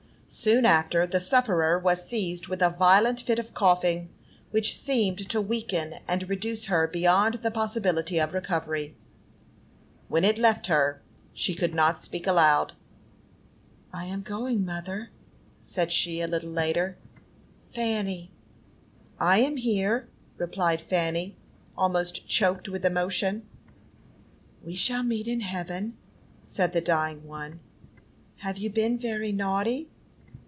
Soon after, the sufferer was seized with a violent fit of coughing, which seemed to weaken and reduce her beyond the possibility of recovery. When it left her, she could not speak aloud. "I am going, mother," said she, a little later. "Fanny!" "I am here," replied Fanny, almost choked with emotion. "We shall meet in heaven," said the dying one. "Have you been very naughty?"